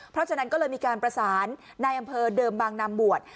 เพราะฉะนั้นก็เลยมีการประสานในอำเภอเดิมบางนามบวช